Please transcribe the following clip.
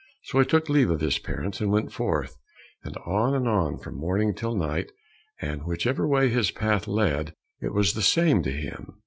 So he took leave of his parents, and went forth, and on and on from morning till night, and whichever way his path led it was the same to him.